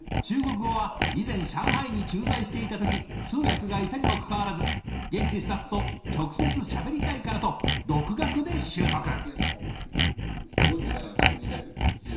中国語は以前上海に駐在していた時通訳がいたにもかかわらず現地スタッフと直接しゃべりたいからと独学で習得。